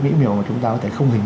mỹ miều mà chúng ta có thể không hình